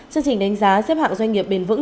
chương trình đánh giá xếp hạng doanh nghiệp bền vững